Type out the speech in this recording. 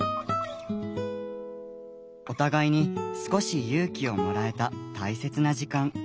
お互いに少し勇気をもらえた大切な時間。